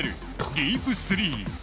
ディープスリー。